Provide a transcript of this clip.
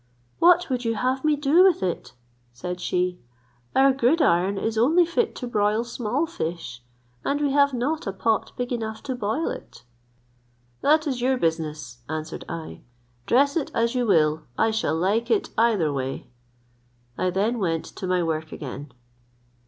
"What would you have me do with it?" said she. "Our gridiron is only fit to broil small fish; and we have not a pot big enough to boil it." "That is your business," answered I; "dress it as you will, I shall like it either way." I then went to my work again.